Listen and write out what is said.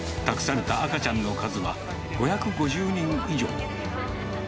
託された赤ちゃんの数は５５０人以上に。